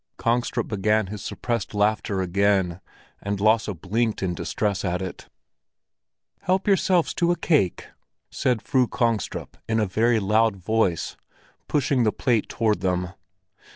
Kongstrup began his suppressed laughter again, and Lasse blinked in distress at it. "Help yourselves to a cake!" said Fru Kongstrup in a very loud voice, pushing the plate toward them.